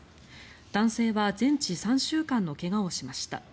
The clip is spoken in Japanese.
男性は全治３週間の怪我をしました。